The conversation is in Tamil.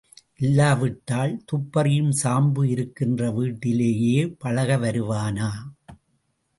இல்லாவிட்டால் துப்பறியும் சாம்பு இருக்கின்ற வீட்டிலேயே பழக வருவானா?